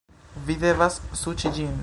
Vi devas suĉi ĝin